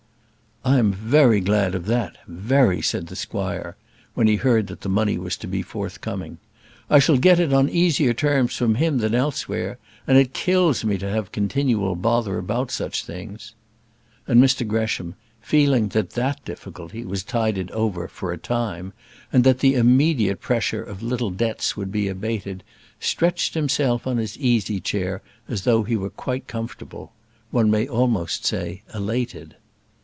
"I am very glad of that, very," said the squire, when he heard that the money was to be forthcoming. "I shall get it on easier terms from him than elsewhere; and it kills me to have continual bother about such things." And Mr Gresham, feeling that that difficulty was tided over for a time, and that the immediate pressure of little debts would be abated, stretched himself on his easy chair as though he were quite comfortable; one may say almost elated.